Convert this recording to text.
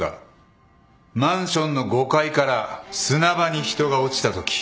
マンションの５階から砂場に人が落ちたとき。